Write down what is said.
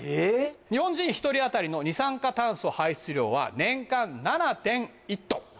日本人１人あたりの二酸化炭素排出量は年間７．１トン。